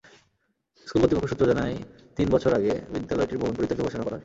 School কর্তৃপক্ষ সূত্র জানায়, তিন বছর আগে বিদ্যালয়টির ভবন পরিত্যক্ত ঘোষণা করা হয়।